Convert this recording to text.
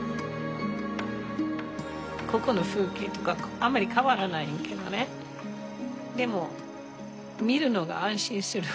ここの風景とかあんまり変わらないんだけどねでも見るのが安心する。